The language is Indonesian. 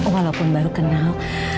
walaupun baru kenal